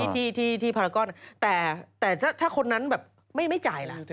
แต่ถ้าคนนั้นไม่จ่ายละ